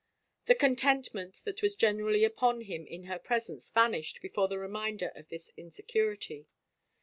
The contentment that was generally upon him in her presence vanished before the reminder of this hisecurity.